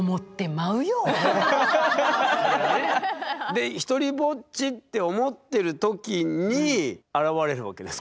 でひとりぼっちって思ってる時に現れるわけですか？